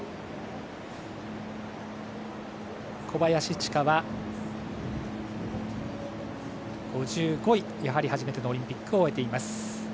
小林千佳は５５位でやはり初めてのオリンピックを終えています。